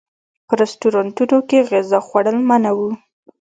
په رسټورانټونو کې غذا خوړل منع و.